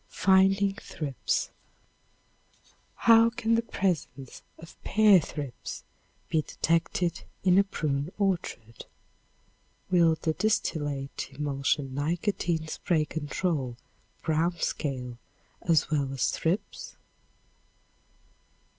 Finding Thrips. How can the presence of pear thrips be detected in a prune orchard? Will the distillate emulsion nicotine spray control brown scale as well as thrips?